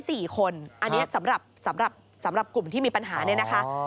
อันนี้สำหรับกลุ่มที่มีปัญหานี่นะคะ